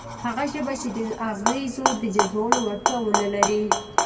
هغه ژبه چې د اغېزو د جذبولو وړتیا ونه لري،